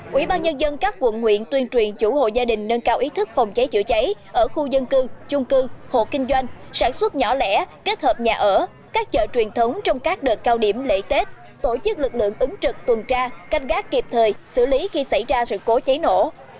quỹ ban nhân dân các quận nguyện tuyên truyền chủ hộ gia đình nâng cao ý thức phòng cháy chữa cháy ở khu dân cư chung cư hộ kinh doanh sản xuất nhỏ lẻ kết hợp nhà ở các chợ truyền thống trong các đợt cao điểm lễ tết tổ chức lực lượng ứng trực tuần tra canh gác kịp thời xử lý khi xảy ra sự cố cháy nổ